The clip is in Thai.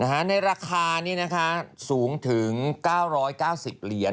ในราคานี้นะคะสูงถึง๙๙๐เหรียญ